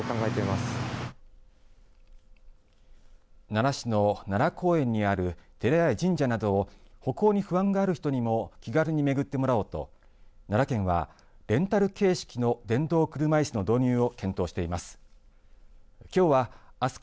奈良市の奈良公園にある寺や神社など歩行に不安がある人にも気軽に巡ってもらおうと奈良県はレンタル形式の電動車いすの導入を検討しています。